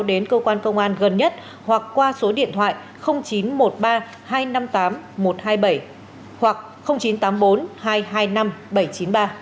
đến cơ quan công an gần nhất hoặc qua số điện thoại chín trăm một mươi ba hai trăm năm mươi tám một trăm hai mươi bảy hoặc chín trăm tám mươi bốn hai trăm hai mươi năm bảy trăm chín mươi ba